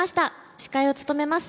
司会を務めます